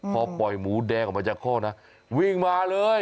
พอปล่อยหมูแดงออกมาจากคอกนะวิ่งมาเลย